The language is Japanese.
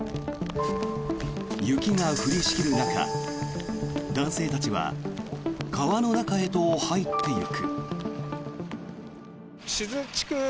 雪が降りしきる中、男性たちは川の中へと入っていく。